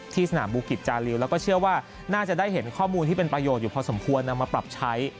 สนามบูกิจจาริวแล้วก็เชื่อว่าน่าจะได้เห็นข้อมูลที่เป็นประโยชน์อยู่พอสมควรนำมาปรับใช้